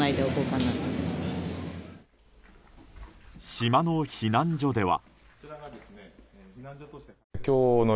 島の避難所では。